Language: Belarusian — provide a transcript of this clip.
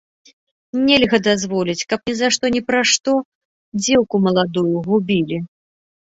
Нельга дазволіць, каб ні за што ні пра што дзеўку маладую губілі.